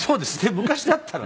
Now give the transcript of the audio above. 昔だったらね。